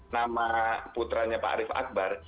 nama putranya pak arief akbar